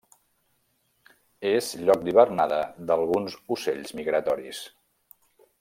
És lloc d'hivernada d'alguns ocells migratoris.